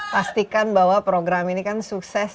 pastikan bahwa program ini kan sukses